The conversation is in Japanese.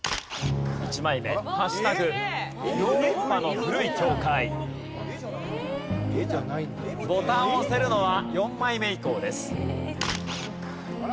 １枚目ボタンを押せるのは４枚目以降です。